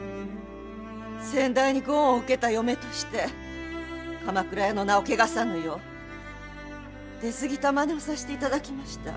先代にご恩を受けた嫁として鎌倉屋の名を汚さぬよう出すぎたまねをさせて頂きました。